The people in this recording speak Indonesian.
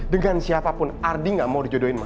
dengan siapapun ardi gak mau dijodohin